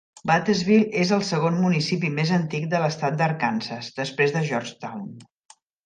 Batesville és el segon municipi més antic de l'estat d'Arkansas, després de Georgetown.